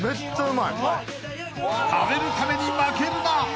［食べるために負けるな！］